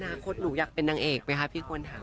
คตหนูอยากเป็นนางเอกไหมคะพี่ควรถาม